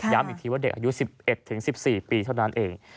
อีกทีว่าเด็กอายุ๑๑๑๔ปีเท่านั้นเอง